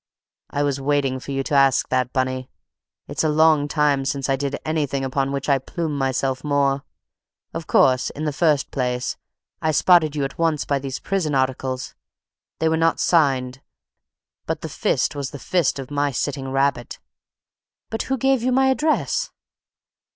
"I was waiting for you to ask that, Bunny; it's a long time since I did anything upon which I plume myself more. Of course, in the first place, I spotted you at once by these prison articles; they were not signed, but the fist was the fist of my sitting rabbit!" "But who gave you my address?"